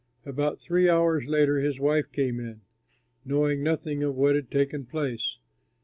About three hours later his wife came in, knowing nothing of what had taken place.